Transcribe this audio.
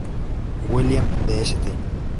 William de St.